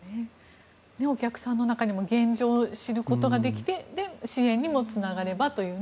お客さんの中にも現状を知ることができて支援にもつながればというね。